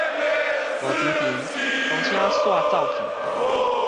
無張持公車煞走去